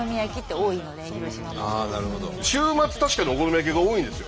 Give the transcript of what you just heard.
週末確かにお好み焼きが多いんですよ。